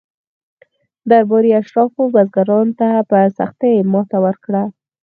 درباري اشرافو بزګرانو ته په سختۍ ماته ورکړه.